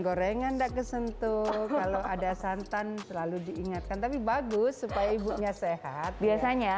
gorengan enggak kesentuh kalau ada santan selalu diingatkan tapi bagus supaya ibunya sehat biasanya